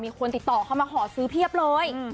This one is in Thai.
มีคนติดต่อเข้ามาขอซื้อเพียบเลย